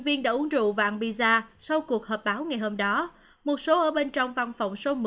viên đã uống rượu và ăn pizza sau cuộc họp báo ngày hôm đó một số ở bên trong văn phòng số một mươi